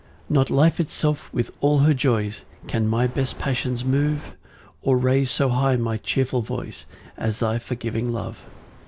5 Not life itself with all her joys, Can my best passions move, Or raise so high my cheerful voice As thy forgiving love.